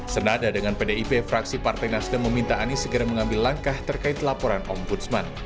senada dengan pdip fraksi partai nasdem meminta anies segera mengambil langkah terkait laporan ombudsman